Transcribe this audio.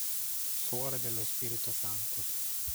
Suore dello Spirito Santo